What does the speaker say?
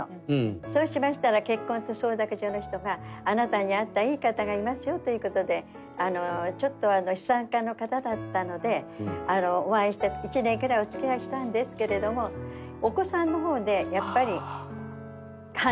そうしましたら結婚相談所の人があなたに合ったいい方がいますよという事でちょっとあの資産家の方だったのでお会いして１年ぐらいお付き合いしたんですけれどもお子さんの方でやっぱり反対がございました。